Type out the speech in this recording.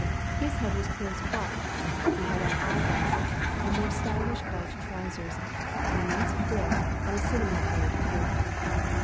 His head was close cropped, he had on eyeglasses, and wore stylish light trousers, an immense frill, and a cinnamon colored coat.